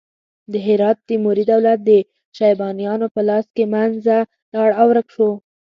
د هرات تیموري دولت د شیبانیانو په لاس له منځه لاړ او ورک شو.